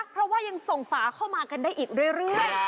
เพราะว่ายังส่งฝาเข้ามากันได้อีกเรื่อย